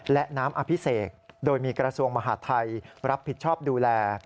และน้ำอภิเษกโดยมีกระทรวงมหาดไทยรับผิดชอบดูแล